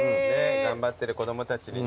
頑張ってる子供たちにね。